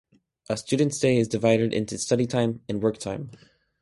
A student's day is divided into "study time" and "work time.